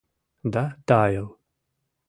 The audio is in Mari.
Да тайыл.